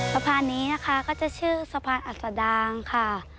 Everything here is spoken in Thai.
สะพานนี้นะคะก็จะชื่อสะพานอัศดางค่ะ